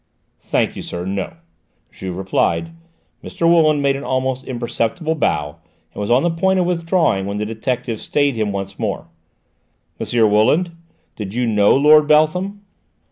"Thank you, sir, no," Juve replied. Mr. Wooland made an almost imperceptible bow and was on the point of withdrawing when the detective stayed him once more. "M. Wooland, did you know Lord Beltham?"